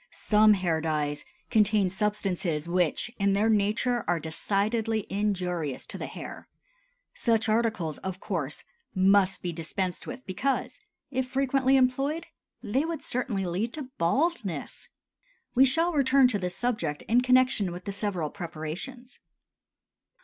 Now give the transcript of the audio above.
Some hair dyes contain substances which in their nature are decidedly injurious to the hair; such articles, of course, must be dispensed with because, if frequently employed, they would certainly lead to baldness. We shall return to this subject in connection with the several preparations.